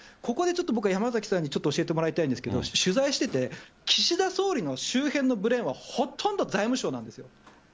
ここでちょっと、僕は山崎さんに教えてもらいたいんですけれども、取材してて、岸田総理の周辺のブレーンはほとんど財務省なんですよ。